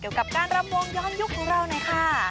เกี่ยวกับการรำวงย้อนยุคของเราหน่อยค่ะ